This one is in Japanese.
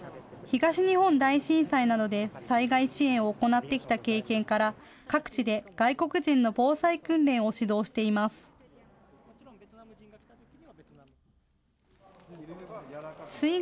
東日本大震災などで災害支援を行ってきた経験から、各地で外国人の防災訓練を指導しています。